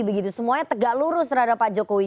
begitu semuanya tegak lurus terhadap pak jokowi